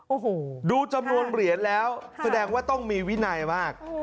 โอ้โหดูจำนวนเหรียญแล้วแสดงว่าต้องมีวินัยมาก